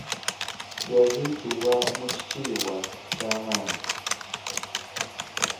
Yaziikibwa mu kitiibwa eky'amannyi.